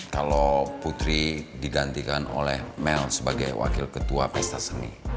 kalau putri digantikan oleh mel sebagai wakil ketua pesta seni